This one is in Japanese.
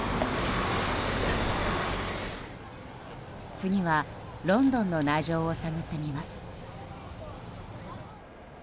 次はロンドンの内情を探ってみます。